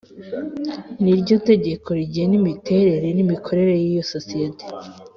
Ni ryo tegeko rigena imiterere n’ imikorere y’isosiyete